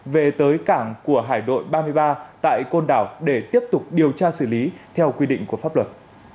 về tới cảng của hải đội ba mươi ba tại côn đảo để tiếp tục điều tra xử lý theo quy định của pháp luật